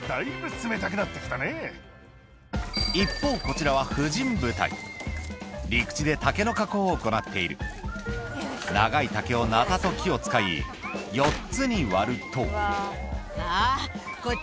一方こちらは陸地で竹の加工を行っている長い竹をナタと木を使い４つに割るとさぁ！